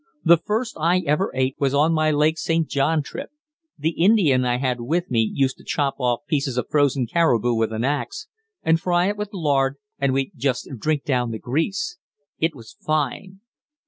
The first I ever ate was on my Lake St. John trip. The Indian I had with me used to chop off pieces of frozen caribou with an axe, and fry it with lard, and we'd just drink down the grease. It was fine."